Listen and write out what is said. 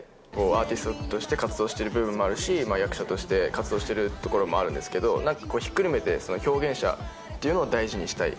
アーティストとして活動してる部分もあるし、役者として活動してるところもあるんですけど、なんかこう、ひっくるめて表現者っていうのを大事にしたい。